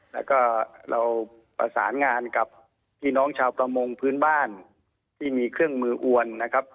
แล้วก็เราประสานงานกับพี่น้องชาวประมงพื้นบ้านที่มีเครื่องมืออวนนะครับ